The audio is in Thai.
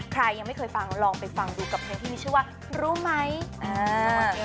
ยังไม่เคยฟังลองไปฟังดูกับเพลงที่มีชื่อว่ารู้ไหม